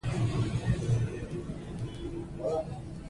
هره ورځ په کافي اندازه د پاکو اوبو څښل بدن ته سکون بښي.